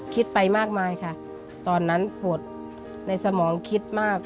คิดไปมากมายค่ะตอนนั้นปวดในสมองคิดมาก